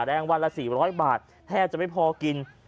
แรงวันละสี่ร้อยบาทแทบจะไม่พอกิน